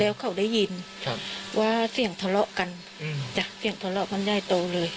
แล้วเขาได้ยินว่าเสียงทะเลาะกันจ้ะเสียงทะเลาะกันใหญ่โตเลย